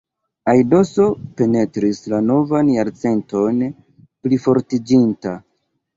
Aidoso penetris la novan jarcenton plifortiĝinta.